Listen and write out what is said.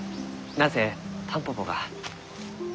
何せタンポポが。